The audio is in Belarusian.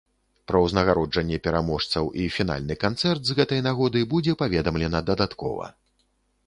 Пра ўзнагароджанне пераможцаў і фінальны канцэрт з гэтай нагоды будзе паведамлена дадаткова.